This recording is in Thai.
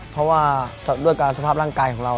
เพราะว่าด้วยการสภาพร่างกายของเรา